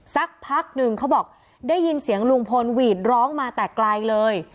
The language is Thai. สักพักหนึ่งเขาบอกได้ยินเสียงลุงพลหวีดร้องมาแต่ไกลเลย